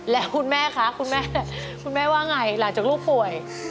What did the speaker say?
แล้วคุณแม่คะคุณแม่คุณแม่ว่าไงหลังจากลูกป่วย